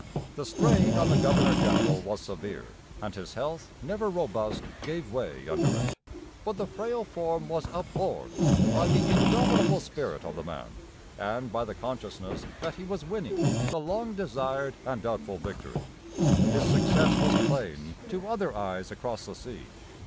The strain on the governor general was severe, and his health, never robust, gave way under it; but the frail form was upborne by the indomitable spirit of the man, and by the consciousness that he was winning the long desired and doubtful victory. His success was plain to other eyes across the sea.